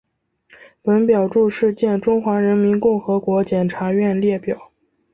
本表注释见中华人民共和国检察院列表。